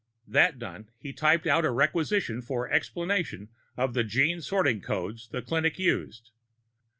That done, he typed out a requisition for explanation of the gene sorting code the clinic used.